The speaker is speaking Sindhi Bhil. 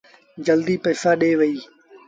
جلديٚ پئيٚسآ ڏي وهيٚ۔